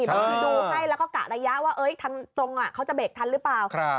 บางทีดูให้แล้วก็กะระยะว่าทางตรงเขาจะเบรกทันหรือเปล่า